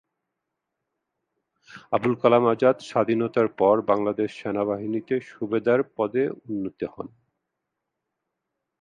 আবুল কালাম আজাদ স্বাধীনতার পর বাংলাদেশ সেনাবাহিনীতে সুবেদার পদে উন্নীত হন।